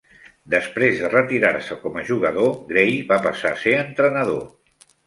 Després de retirar-se com a jugador, Gray va passar a ser entrenador.